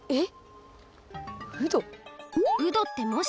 えっ？